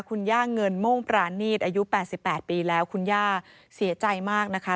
คุณย่าเงินโม่งปรานีตอายุ๘๘ปีแล้วคุณย่าเสียใจมากนะคะ